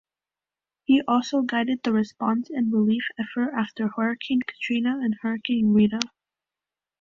He also guided the response and relief effort after Hurricane Katrina and Hurricane Rita.